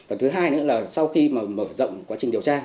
và thứ hai nữa là sau khi mà mở rộng quá trình điều tra